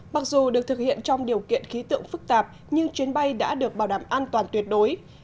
mặc dù được thực hiện trong điều kiện khí tượng phức tạp nhưng chuyến bay đã được bảo đảm an toàn tuyệt đối